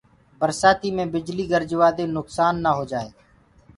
برسآتيٚ مينٚ بِجليٚ گرجوآ دي نُڪسآن نآ هوجآئي۔